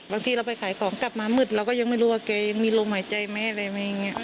บางทีเราไปขายของกลับมามืดเราก็ยังไม่รู้ว่าแกมีลมหายใจไหม